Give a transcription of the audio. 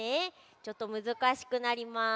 ちょっとむずかしくなります。